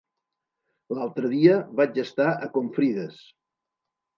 L'altre dia vaig estar a Confrides.